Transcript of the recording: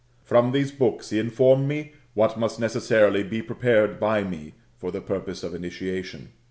From these books he informed me what must necessarily be prepared by me for the purpose of initiation.